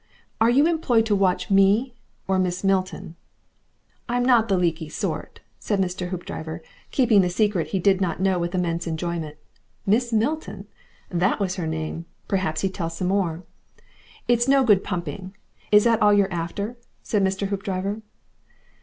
Are you employed to watch me or Miss Milton?" "I'm not the leaky sort," said Mr. Hoopdriver, keeping the secret he did not know with immense enjoyment. Miss Milton! That was her name. Perhaps he'd tell some more. "It's no good pumping. Is that all you're after?" said Mr. Hoopdriver.